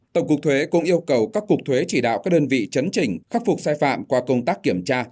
tổng cục thuế cũng yêu cầu các cục thuế chỉ đạo các đơn vị chấn trình khắc phục sai phạm qua công tác kiểm tra